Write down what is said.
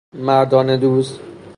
مردانه دوز